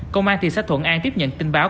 công an thị xã thuận an tiếp nhận tin báo